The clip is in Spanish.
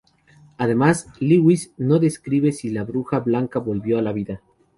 Además, Lewis no describe si la bruja blanca volvió a la vida.